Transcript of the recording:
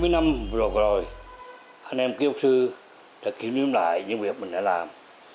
bảy mươi năm rồi anh em kiếp sư đã kiếm niếm lại những việc mình đã làm